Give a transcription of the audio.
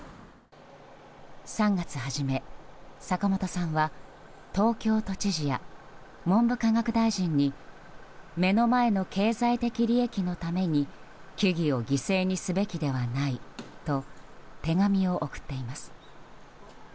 ３月初め、坂本さんは東京都知事や文部科学大臣に目の前の経済的利益のために樹々を犠牲にすべきではないと手紙を送っています。